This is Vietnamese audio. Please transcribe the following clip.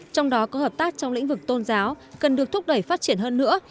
trong đó có hợp tác trong lĩnh vực tôn giáo cần được thúc đẩy phát triển hơn nữa